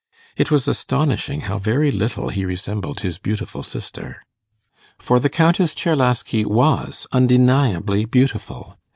It was astonishing how very little he resembled his beautiful sister. For the Countess Czerlaski was undeniably beautiful.